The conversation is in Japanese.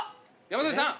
山添さん。